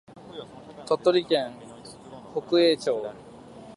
鳥取県北栄町